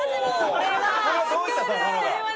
これはどういったところが？